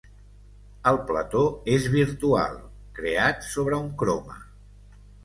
El plató és virtual, creat sobre un croma.